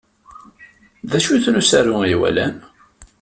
D acu n usaru ay walan?